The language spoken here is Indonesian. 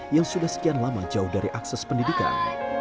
yang sudah sekian lama jauh dari akses pendidikan